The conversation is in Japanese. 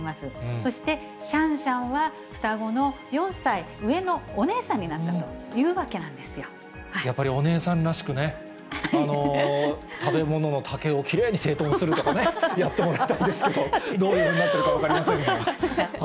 そして、シャンシャンは双子の４歳上のお姉さんになったというわけなんでやっぱりお姉さんらしくね、食べ物の竹をきれいに整頓するとかね、やってもらいたいですけど、どういうふうになっているか分かりませんが。